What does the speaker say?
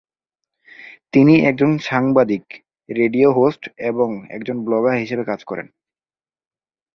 তিনি একজন সাংবাদিক, রেডিও হোস্ট এবং একজন ব্লগার হিসাবে কাজ করেন।